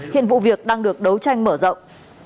hiện vụ việc đang được đấu tranh mở rộng